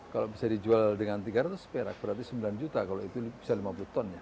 kalau bisa dijual dengan tiga ratus perak berarti sembilan juta kalau itu bisa lima puluh ton ya